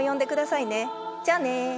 じゃあね。